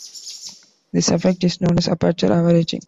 This effect is known as "aperture averaging".